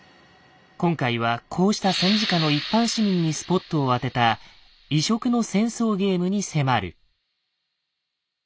今回はこうした戦時下の一般市民にスポットを当てた異色の戦争ゲームに迫る。